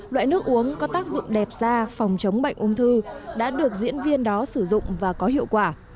loại nước uống có tác dụng đẹp ra phòng chống bệnh ung thư đã được diễn viên đó sử dụng và có hiệu quả